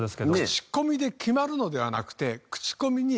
クチコミで決まるのではなくてクチコミに上乗せ。